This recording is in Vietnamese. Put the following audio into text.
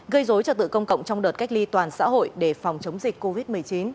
gây dối trật tự công cộng trong đợt cách ly toàn xã hội để phòng chống dịch covid một mươi chín